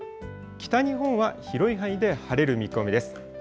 北日本は広い範囲で晴れる見込みです。